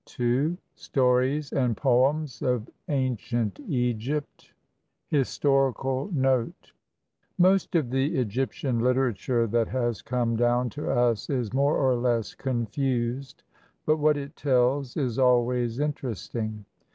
II STORIES AND POEMS OF ANCIENT EGYPT HISTORICAL NOTE Most of the Egyptian literature that has come down to us is more or less confused, but what it tells is always interesting.